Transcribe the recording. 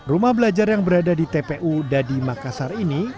rumah belajar yang berada di tpu dadi makassar ini